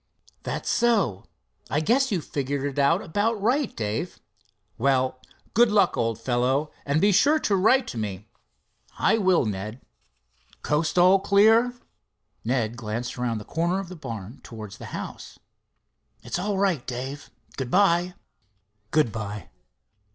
"That's so. I guess you've figured it out about right, Dave. Well, good luck, old fellow, and be sure to write to me." "I will, Ned. Coast all clear?" Ned glanced around the corner of the barn towards the house. "It's all right, Dave—good by." "Good by."